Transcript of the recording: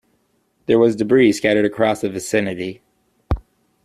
There was debris scattered across the vicinity.